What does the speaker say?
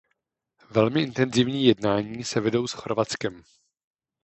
Velmi intenzivní jednání se vedou s Chorvatskem.